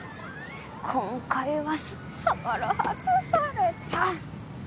今回は捜査から外された！